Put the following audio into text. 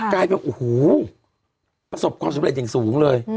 กลายเป็นโอ้โหประสบความสำเร็จอย่างสูงเลย